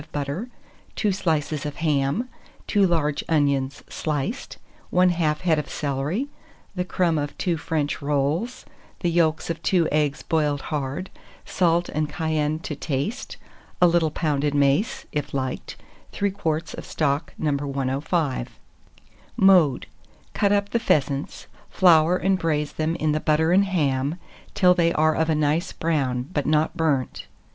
of butter, 2 slices of ham, 2 large onions sliced, 1/2 head of celery, the crumb of two French rolls, the yolks of 2 eggs boiled hard, salt and cayenne to taste, a little pounded mace, if liked; 3 quarts of stock No. 105. Mode. Cut up the pheasants, flour and braise them in the butter and ham till they are of a nice brown, but not burnt.